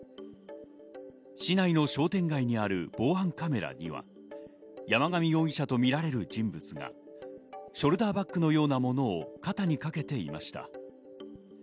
市内の商店街にある防犯カメラには、山上容疑者とみられる人物がショルダーバッグのようなものを肩にかけていました。